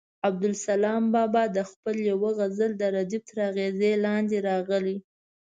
عبدالسلام بابا د خپل یوه غزل د ردیف تر اغېز لاندې راغلی.